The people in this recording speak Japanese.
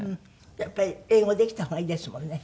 やっぱり英語できた方がいいですもんね。